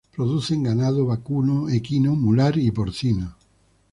Producen ganado vacuno, equino, mular, y porcino.